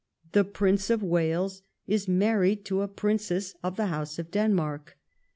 The Prince of Wales is married to a Princess of the House of Denmark.